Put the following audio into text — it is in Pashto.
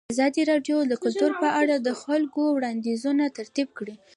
ازادي راډیو د کلتور په اړه د خلکو وړاندیزونه ترتیب کړي.